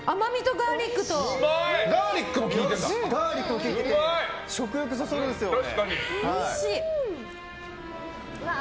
ガーリック効いてて食欲そそるんですよね。